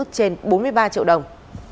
trên bốn mươi ba triệu đồng